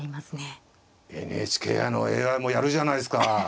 ＮＨＫ杯のＡＩもやるじゃないですか。